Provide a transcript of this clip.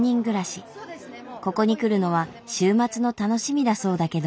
ここに来るのは週末の楽しみだそうだけど。